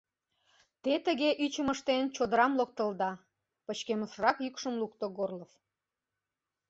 — Те, тыге ӱчым ыштен, чодырам локтылыда! — пычкемышрак йӱкшым лукто Горлов.